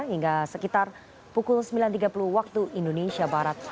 hingga sekitar pukul sembilan tiga puluh waktu indonesia barat